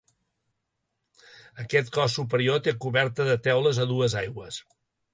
Aquest cos superior té coberta de teules a dues aigües.